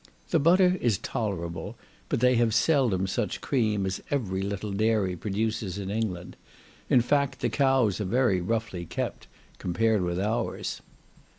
The butter is tolerable; but they have seldom such cream as every little dairy produces in England; in fact, the cows are very roughly kept, compared with our's.